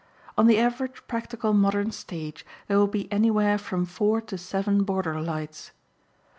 On the average practical modern stage there will be anywhere from four to seven border lights.